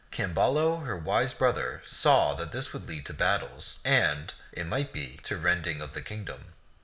Cam ballo, her wise brother, saw that this would lead to bat tles and, it might be, to rending of the kingdom.